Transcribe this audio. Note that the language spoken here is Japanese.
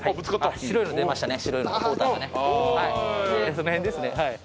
その辺ですね。